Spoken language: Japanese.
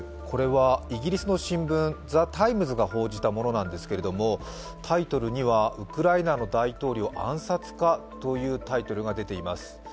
これはイギリスの新聞「ザ・タイムズ」が報じたものなんですがタイトルには「ウクライナの大統領暗殺か」というタイトルが出ています。